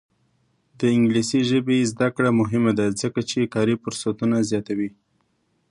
د انګلیسي ژبې زده کړه مهمه ده ځکه چې کاري فرصتونه زیاتوي.